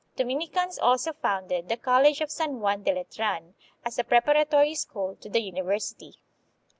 1 Dominicans also founded the College of San Juan de Letran, as a prepara tory school to the University.